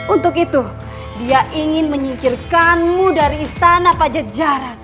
untuk itu dia ingin menyingkirkanmu dari istana pada jalan